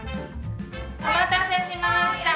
お待たせしました。